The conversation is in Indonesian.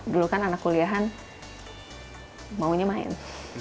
dulu kan anak kuliahan maunya main